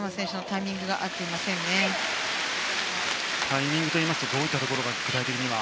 タイミングといいますとどういったところが具体的には。